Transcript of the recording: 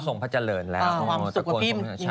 ก็ส่งพัจจรเหิญแล้วความสุขกว่าพิมพ์